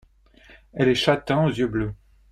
Elle est châtain aux yeux bleus.